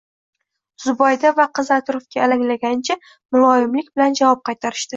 Zubayda va qizi atrofga alanglagancha muloyimlik bilan javob qaytarishdi